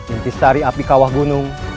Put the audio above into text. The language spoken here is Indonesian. inti sari api kawah gunung